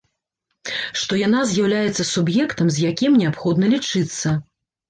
Што яна з'яўляецца суб'ектам, з якім неабходна лічыцца.